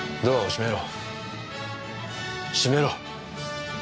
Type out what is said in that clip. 閉めろ。